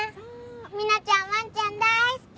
ミナちゃんわんちゃん大好き！